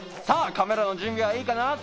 さあカメラの準備はいいかな？